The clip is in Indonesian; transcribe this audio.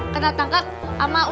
kena tangkap aku akan menang